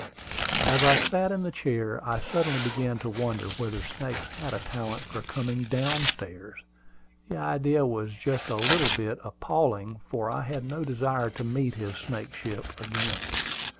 As I sat in the chair, I suddenly began to wonder whether snakes had a talent for coming down stairs. The idea was just a little bit appalling, for I had no desire to meet his snakeship again.